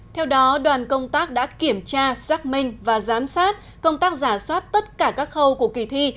theo đó đoàn công tác đã kiểm tra xác minh và giám sát công tác giả soát tất cả các khâu của kỳ thi